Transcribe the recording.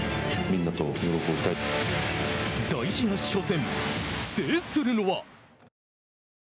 大事な初戦制するのは。